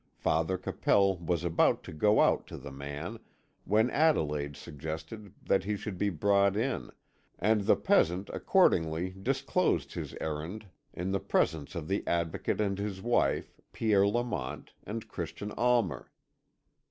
Father Capel was about to go out to the man, when Adelaide suggested that he should be brought in, and the peasant accordingly disclosed his errand in the presence of the Advocate and his wife, Pierre Lamont, and Christian Almer.